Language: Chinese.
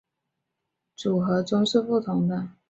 数字符号的语义在其特定的组合中是不同的。